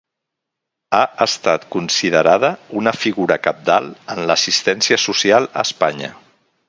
Ha estat considerada una figura cabdal en l'assistència social a Espanya.